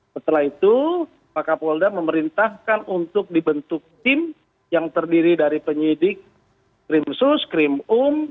setelah itu pak kapolda memerintahkan untuk dibentuk tim yang terdiri dari penyidik krimsus krim um